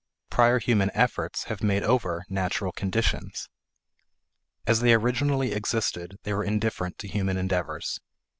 Prior human efforts have made over natural conditions. As they originally existed they were indifferent to human endeavors.